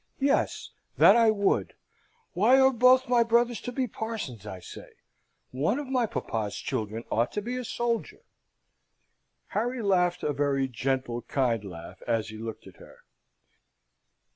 Yes, that I would! Why are both my brothers to be parsons, I say? One of my papa's children ought to be a soldier!" Harry laughed, a very gentle, kind laugh, as he looked at her.